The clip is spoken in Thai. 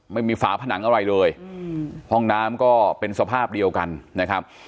ฝาผนังอะไรเลยห้องน้ำก็เป็นสภาพเดียวกันนะครับ